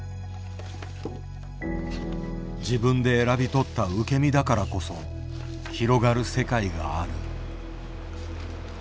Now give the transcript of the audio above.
自分で選び取った受け身だからこそ広がる世界がある。